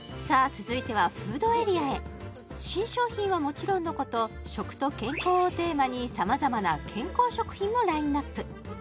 続いてはフードエリアへ新商品はもちろんのこと「食と健康」をテーマにさまざまな健康食品もラインナップ